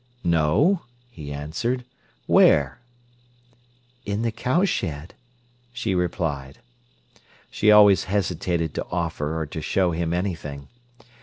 "No," he answered. "Where?" "In the cowshed," she replied. She always hesitated to offer or to show him anything.